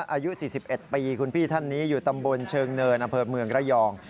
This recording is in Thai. อายุ๔๑ปีคุณพี่ท่านนี้อยู่ตำบลเชิงเนินอำเภอเมืองระยอง